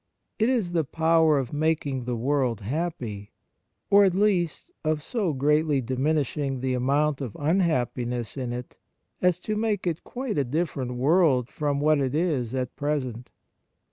It is the power of making the world happy, or, at least, of so greatly diminishing the amount of unhappiness in it as to make it quite a different world from what it is at present.